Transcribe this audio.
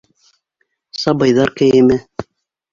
Сабыйҙар кейеме.